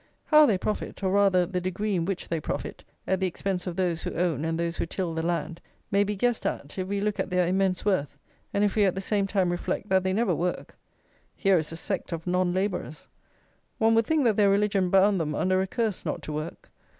How they profit, or, rather, the degree in which they profit, at the expense of those who own and those who till the land, may be guessed at if we look at their immense worth, and if we at the same time reflect that they never work. Here is a sect of non labourers. One would think that their religion bound them under a curse not to work.